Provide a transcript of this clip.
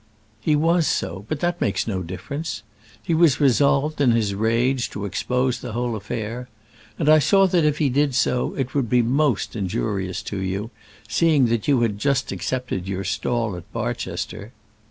"He was so; but that makes no difference. He was resolved, in his rage, to expose the whole affair; and I saw that, if he did so, it would be most injurious to you, seeing that you had just accepted your stall at Barchester."